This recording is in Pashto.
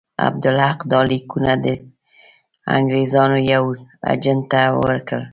عبدالحق دا لیکونه د انګرېزانو یوه اجنټ ته ورکړل.